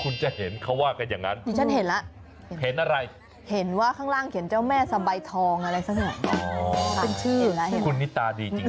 เล็กมากเลยนะตรงนั้นน่ะ